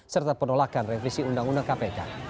serta penolakan revisi undang undang kpk